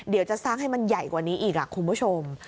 เดี๋ยวจะสร้างให้มันใหญ่กว่านี้อีกคุณผู้ชม